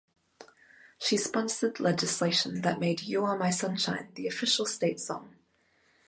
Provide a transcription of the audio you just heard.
She sponsored legislation that made "You Are My Sunshine" the official state song.